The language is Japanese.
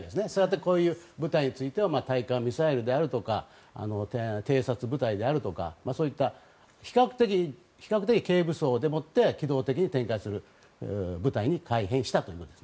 こういう部隊については対艦ミサイルであるとか偵察部隊であるとかそういった比較的、軽武装でもって機動的に展開する部隊に改編したということです。